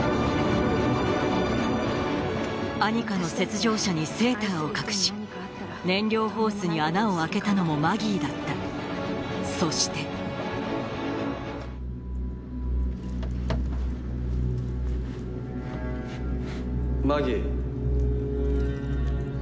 アニカの雪上車にセーターを隠し燃料ホースに穴を開けたのもマギーだったそしてマギー。